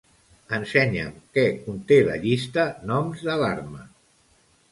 Ensenya'm què conté la llista "noms d'alarma".